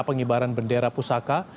pengibaran bendera pusaka